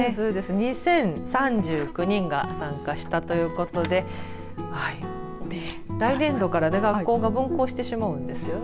２０３９人が参加したということで来年度から学校が分校してしまうんですね。